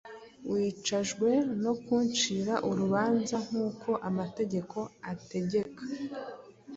Wicajwe no kuncira urubanza nk’uko amategeko ategeka,